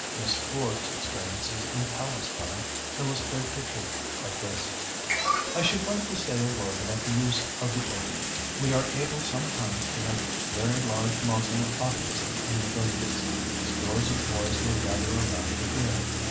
Miss Ford's experiences in Palestine illustrate the truth of this: "I should like to say a word about the use of the organ. We are able sometimes to have very large Moslem audiences in the villages. Scores of boys will gather around to hear.